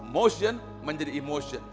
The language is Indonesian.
motion menjadi emosi